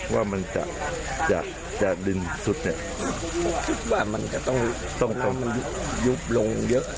ว่ามันจะจะจะดินสุดเนี่ยคิดว่ามันก็ต้องต้องต้องยุบลงเยอะ